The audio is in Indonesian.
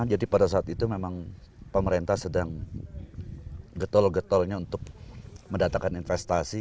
jadi pada saat itu memang pemerintah sedang getol getolnya untuk mendatangkan investasi